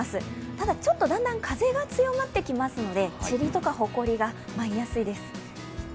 ただだんだん風が強まってきますので、ちりやほこりが舞いやすいです。